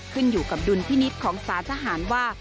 ขึ้นอยู่กับดุลพินิษฐ์ของสารทหารว่า